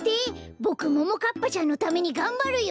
ボクももかっぱちゃんのためにがんばるよ！